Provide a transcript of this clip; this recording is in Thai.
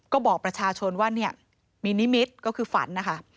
ก็บอกประชาชนว่าเนี่ยมีนิมิตรก็คือฝันนะคะ